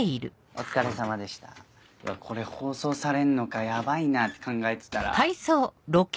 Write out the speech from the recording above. お疲れさまでしたこれ放送されんのかヤバいなって考えてたら。